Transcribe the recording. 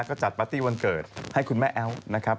ก็จัดปาร์ตี้วันเกิดให้คุณแม่แอ๊วนะครับ